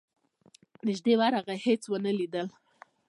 نیژدې ورغی هېچا ونه لید.